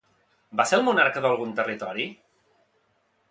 Va ser el monarca d'algun territori?